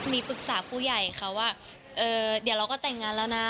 มีปรึกษาผู้ใหญ่ค่ะว่าเดี๋ยวเราก็แต่งงานแล้วนะ